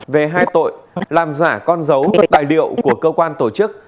về hai tội làm giả con dấu tài liệu của cơ quan tổ chức